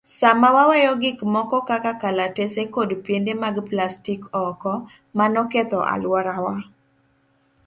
Sama waweyo gik moko kaka kalatese kod piende mag plastik oko, mano ketho alworawa.